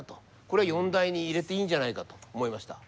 これは四大に入れていいんじゃないかと思いました。